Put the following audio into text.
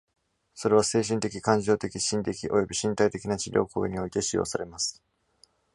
それは、精神的、感情的、心的、および身体的な治療行為において使用されます。